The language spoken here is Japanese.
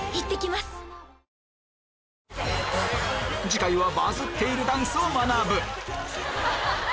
次回はバズっているダンスを学ぶ！